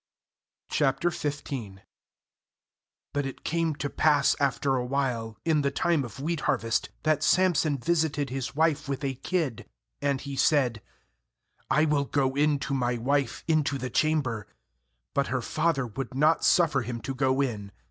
But it came to pass after a while, in the time of wheat harvest, ;hat Samson visited his wife with a kid; and he said: 'I will go hi to my 313 15.1 JUDGES wife into the chamber/ But her father would not suffer him to go in.